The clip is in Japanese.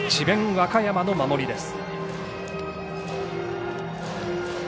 和歌山の守りです。